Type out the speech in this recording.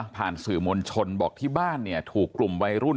สื่อมวลชนบอกที่บ้านเนี่ยถูกกลุ่มวัยรุ่น